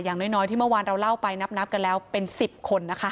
อย่างน้อยที่เมื่อวานเราเล่าไปนับกันแล้วเป็น๑๐คนนะคะ